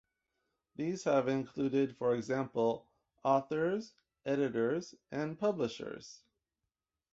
These have included, for example, authors, editors, and publishers.